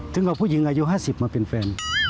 ถึงเอาผู้หญิงอายุ๕๐มาเป็นแฟน